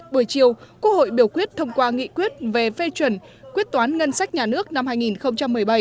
buổi chiều quốc hội biểu quyết thông qua nghị quyết về phê chuẩn quyết toán ngân sách nhà nước năm hai nghìn một mươi bảy